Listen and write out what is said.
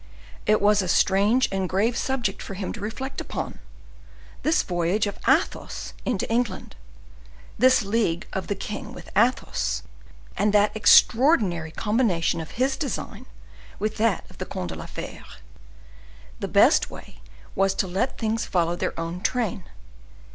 It was a strange and grave subject for him to reflect upon—this voyage of Athos into England; this league of the king with Athos, and that extraordinary combination of his design with that of the Comte de la Fere. The best way was to let things follow their own train.